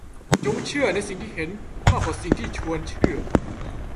จงเชื่อในสิ่งที่เห็นมากกว่าสิ่งที่ชวนเชื่อ